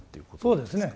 そうですね。